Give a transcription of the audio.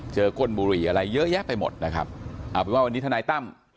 ก้นบุหรี่อะไรเยอะแยะไปหมดนะครับเอาเป็นว่าวันนี้ทนายตั้ม